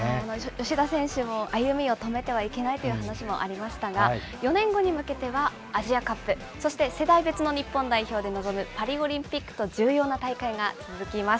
吉田選手も歩みを止めてはいけないと話もありましたが、４年後に向けてはアジアカップ、そして世代別の日本代表で臨むパリオリンピックと重要な大会が続きます。